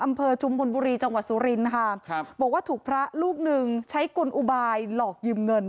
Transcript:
ชุมพลบุรีจังหวัดสุรินค่ะครับบอกว่าถูกพระลูกหนึ่งใช้กุลอุบายหลอกยืมเงิน